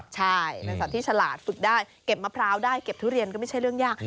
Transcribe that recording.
ชาลาดฝึกได้เก็บมะพร้าวได้เก็บทุเรียนก็ไม่ใช่เรื่องยาก